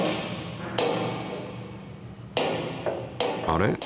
あれ？